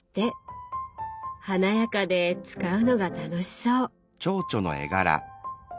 華やかで使うのが楽しそう！